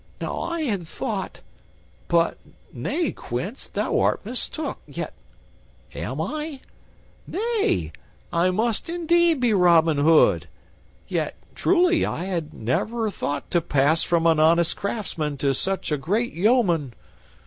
Now I had thought but nay, Quince, thou art mistook yet am I? Nay, I must indeed be Robin Hood! Yet, truly, I had never thought to pass from an honest craftsman to such a great yeoman."